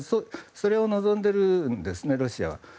それを望んでいるんですねロシアは。